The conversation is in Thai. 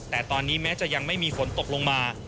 แต่ตอนนี้แม้จะยังไม่มีฝนตกลงมา